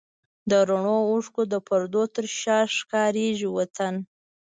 د رڼو اوښکو د پردو تر شا ښکارېږي وطن